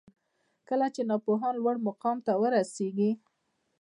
کله چي ناپوهان لوړ مقام ته ورسیږي